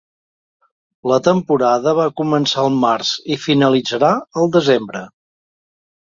La temporada va començar al març i finalitzarà al desembre.